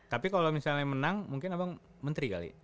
tapi kalau misalnya menang mungkin abang menteri kali